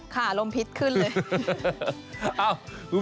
ค่ะลมพิษขึ้นเลย